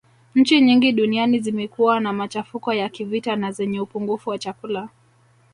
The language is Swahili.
Nchi nyingi duniani zimekuwa na machafuko ya kivita na zenye upungufu wa chakula